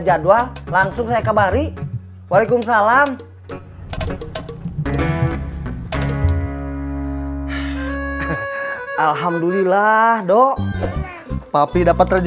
jadwalnya nanti kabar saya secepatnya ya pada nia baik pamul begitu yang gledek ada jadwalnya